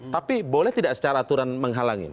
tapi boleh tidak secara aturan menghalangi